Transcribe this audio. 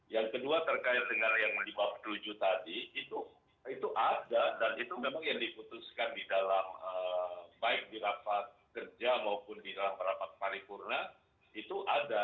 yang kedua terkait dengan yang lima puluh tujuh tadi itu ada dan itu memang yang diputuskan di dalam baik di rapat kerja maupun di dalam rapat paripurna itu ada